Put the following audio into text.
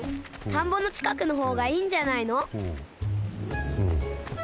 たんぼのちかくのほうがいいんじゃないの？